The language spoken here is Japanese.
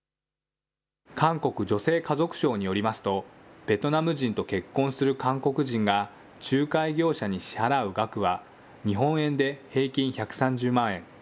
韓国女性家族省によりますと、ベトナム人と結婚する韓国人が仲介業者に支払う額は、日本円で平均１３０万円。